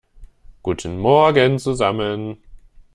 Guten Morgen zusammen!